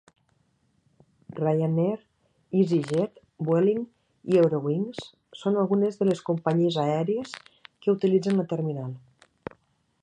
Ryanair, Easyjet, Vueling i Eurowings són algunes de les companyies aèries que utilitzen la terminal.